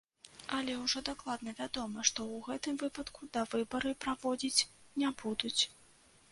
Але ўжо дакладна вядома, што ў гэтым выпадку давыбары праводзіць не будуць.